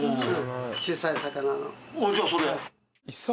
じゃあそれ。